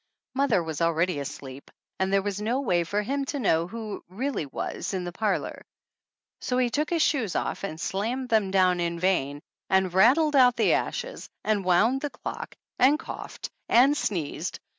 Mother was already asleep and there was no way for him to know who it really was in the parlor, so he took his shoes off and slammed them down in vain, and rattled out the ashes, and wound the clock, and coughed and sneezed.